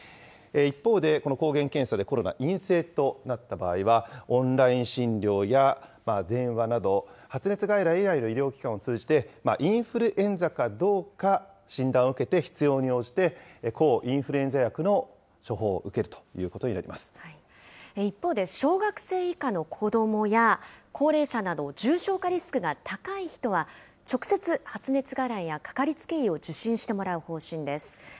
一方で、この抗原検査でコロナ陰性となった場合は、オンライン診療や電話など、発熱外来以外の医療機関を通じて、インフルエンザかどうか診断を受けて、必要に応じて抗インフルエンザ薬の処方を受けるということ一方で、小学生以下の子どもや、高齢者など、重症化リスクが高い人は、直接、発熱外来やかかりつけ医を受診してもらう方針です。